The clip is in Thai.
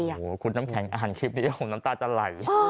โอ้โหคุณน้ำแข็งอ่านคลิปนี้ผมน้ำตาจะไหล